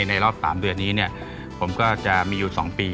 ในรอบ๓เดือนนี้ผมก็จะมีอยู่๒ปี